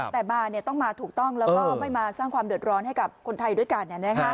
แต่มาต้องมาถูกต้องแล้วก็ไม่มาสร้างความเดือดร้อนให้กับคนไทยด้วยกัน